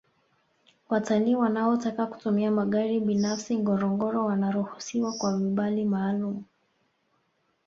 watalii wanaotaka kitumia magari binafsi ngorongoro wanaruhusiwa kwa vibali maalumu